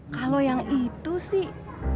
kalau yang itu sih